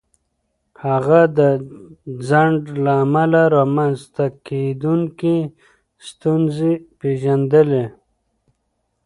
هغه د ځنډ له امله رامنځته کېدونکې ستونزې پېژندلې.